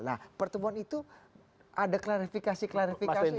nah pertemuan itu ada klarifikasi klarifikasi